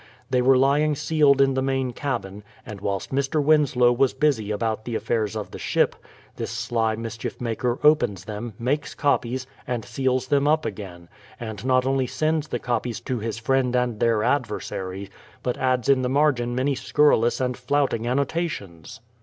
They were lying sealed in the main cabin ; and whilst Mr. Winslow was busy about the affairs of the ship, this sly mischief maker opens them, makes copies, and seals them up again; and not only sends the copies to his friend and their adversary, but adds in the margin many scurrilous and flouting annota tions